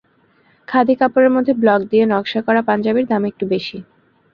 খাদি কাপড়ের মধ্যে ব্লক দিয়ে নকশা করা পাঞ্জাবির দাম একটু বেশি।